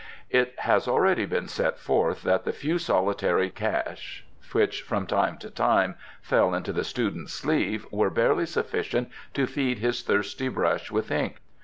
It has already been set forth that the few solitary cash which from time to time fell into the student's sleeve were barely sufficient to feed his thirsty brush with ink.